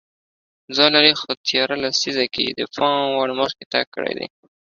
ځای لري خو تېره لیسزه کې یې د پام وړ مخکې تګ کړی دی